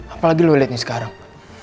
apalagi lo liatnya sekarang